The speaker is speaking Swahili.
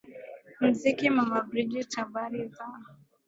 muziki mama bridgit habari za